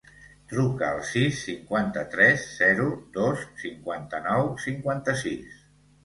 Truca al sis, cinquanta-tres, zero, dos, cinquanta-nou, cinquanta-sis.